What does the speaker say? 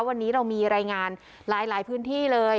วันนี้เรามีรายงานหลายพื้นที่เลย